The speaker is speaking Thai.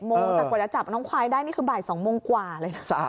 โมงแต่กว่าจะจับน้องควายได้นี่คือบ่าย๒โมงกว่าเลยนะ